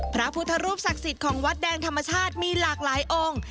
พระพุทธรูปศักดิ์สิทธิ์ของวัดแดงธรรมชาติมีหลากหลายองค์